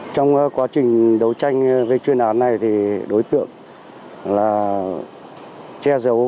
trong quá trình đấu tranh với chuyên án này thì đối tượng là che giấu